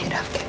ya udah oke